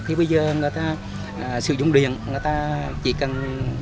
khi bây giờ người ta sử dụng điện người ta chỉ cần